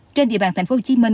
trên địa bàn tp hcm